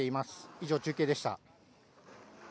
以上、中継でした。